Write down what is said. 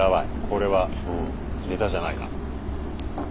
これはネタじゃないな。